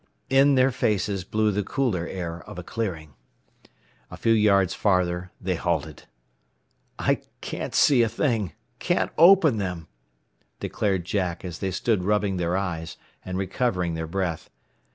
In their faces blew the cooler air of a clearing. A few yards farther they halted. "I can't see a thing. Can't open them," declared Jack, as they stood rubbing their eyes, and recovering their breath.